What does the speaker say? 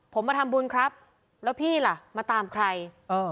ผมมาทำบุญครับแล้วพี่ล่ะมาตามใคร